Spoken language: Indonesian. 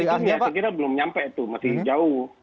tapi kalau di dunia saya kira belum nyampe tuh masih jauh